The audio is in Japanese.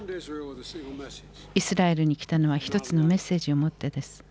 イスラエルに来たのは１つのメッセージをもってです。